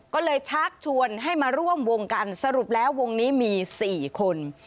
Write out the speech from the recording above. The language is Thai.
ก็เลยชักชวนให้มาร่วมวงกันสรุปแล้ววงนี้มี๔คน